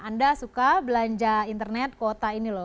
anda suka belanja internet kuota ini loh